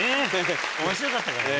面白かったからね。